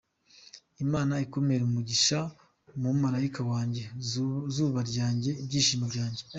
Imana ikumpere umugisha mumarayika wanjye, zuba ryanjye, byishimo byanjye!”.